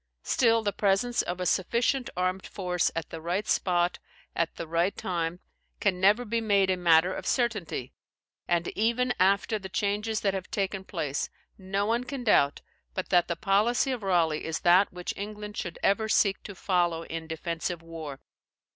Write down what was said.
Still, the presence of a sufficient armed force at the right spot, at the right time, can never be made a matter of certainty; and even after the changes that have taken place, no one can doubt but that the policy of Raleigh is that which England should ever seek to follow in defensive war.